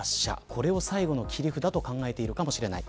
これを最後の切り札と考えているかもしれない。